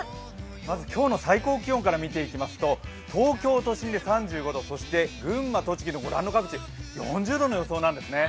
まず今日の最高気温から見てみますと東京都心で３５度、群馬、栃木の御覧の各地４０度の予想なんですね。